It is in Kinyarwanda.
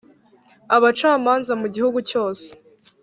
Abacamanza mu gihugu cyose